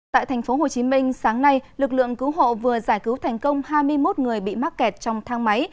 tại tp hcm sáng nay lực lượng cứu hộ vừa giải cứu thành công hai mươi một người bị mắc kẹt trong thang máy